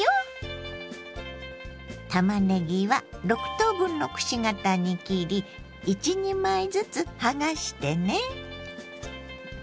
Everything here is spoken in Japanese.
たまねぎは６等分のくし形に切り１２枚ずつはがしてね。